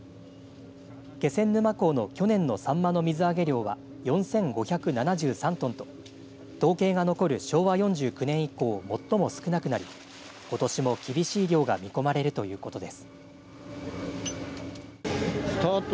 気仙沼港の去年のサンマの水揚げ量は４５７３トンと統計が残る昭和４９年以降最も少なくなりことしも厳しい漁が見込まれるということです。